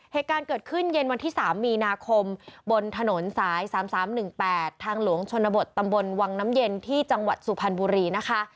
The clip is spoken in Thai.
เหตุการณ์เกิดขึ้นเย็นวันที่๓มีนาคมบนถนนสาย๓๓๑๘ทางหลวงชนบทตำบลวังน้ำเย็นที่จังหวัดสุพรรณบุรีนะคะ